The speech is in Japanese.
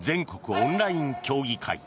オンライン競技会。